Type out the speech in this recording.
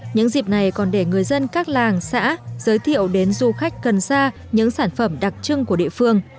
những dịp này còn để người dân các làng xã giới thiệu đến du khách cần xa những sản phẩm đặc trưng của địa phương